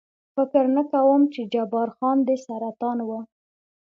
فکر نه کوم، چې جبار خان دې سرطان و.